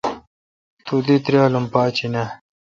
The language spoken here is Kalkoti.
تو دی تریال ام پاچ این آں?